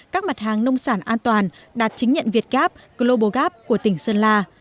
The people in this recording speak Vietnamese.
các mặt hàng nông sản an toàn đạt chứng nhận việt gap global gap của tỉnh sơn la